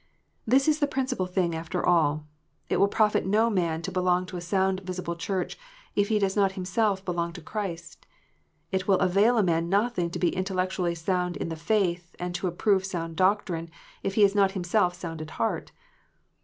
This is the principal thing after all. It will profit no man to belong to a sound visible Church, if he does not himself belong to Christ. It will avail a man nothing to be intellectually sound in the faith, and to approve sound doctrine, if he is not himself sound at heart.